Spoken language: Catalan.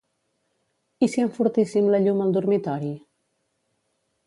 I si enfortíssim la llum al dormitori?